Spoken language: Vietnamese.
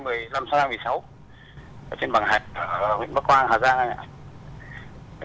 ở huyện bắc quang hà giang anh ạ